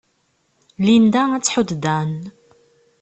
Linda ad tḥudd Dan.